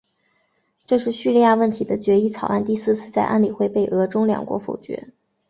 这是叙利亚问题的决议草案第四次在安理会被俄中两国否决。